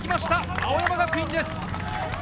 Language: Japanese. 青山学院です。